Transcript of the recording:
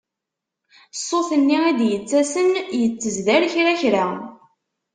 Ṣṣut-nni i d-yettasen yettezdar kra kra.